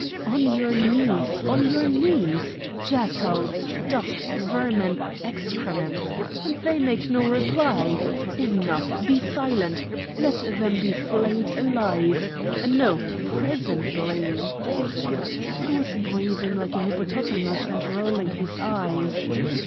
"On your knees! on your knees! jackals! dust! vermin! excrements! And they make no reply! Enough! be silent! Let them be flayed alive! No! presently!" He was breathing like a hippopotamus and rolling his eyes.